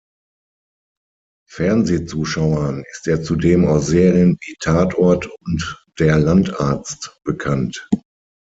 Fernsehzuschauern ist er zudem aus Serien wie Tatort und Der Landarzt bekannt.